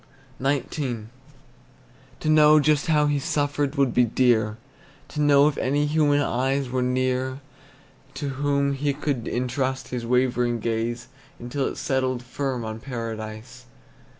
XIX. To know just how he suffered would be dear; To know if any human eyes were near To whom he could intrust his wavering gaze, Until it settled firm on Paradise.